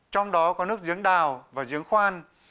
trong đó có nước giếng đào và giếng khoan